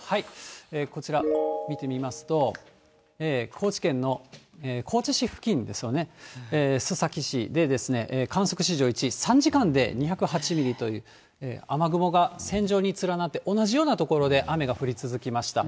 こちら見てみますと、高知県の高知市付近ですね、須崎市でですね、観測史上１位、３時間で２０８ミリという、雨雲が線状に連なって、同じような所で雨が降り続きました。